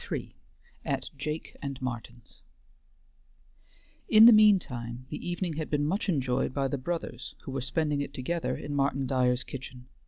III AT JAKE AND MARTIN'S In the mean time, the evening had been much enjoyed by the brothers who were spending it together in Martin Dyer's kitchen.